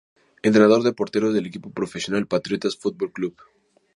Entrenador de porteros del equipo profesional patriotas futbol club